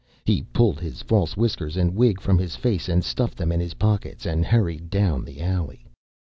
He pulled his false whiskers and wig from his face and stuffed them in his pockets and hurried down the alley.